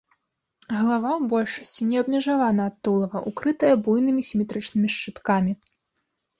Галава ў большасці не адмежавана ад тулава, укрытая буйнымі сіметрычнымі шчыткамі.